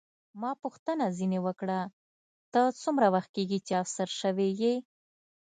ما پوښتنه ځیني وکړه، ته څومره وخت کېږي چې افسر شوې یې؟